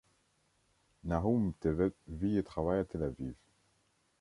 Nahum Tevet vit et travaille à Tel Aviv.